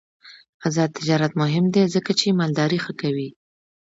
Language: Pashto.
آزاد تجارت مهم دی ځکه چې مالداري ښه کوي.